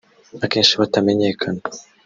akenshi batamenyekana